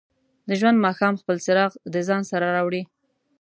د ژوند ماښام خپل څراغ د ځان سره راوړي.